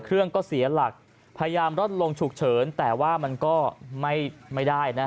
เครื่องก็เสียหลักพยายามลดลงฉุกเฉินแต่ว่ามันก็ไม่ได้นะฮะ